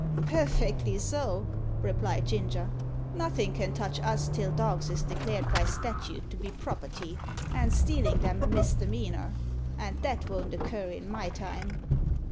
"Perfectly so," replied Ginger. "Nothin' can touch us till dogs is declared by statute to be property, and stealin' 'em a misdemeanour. And that won't occur in my time."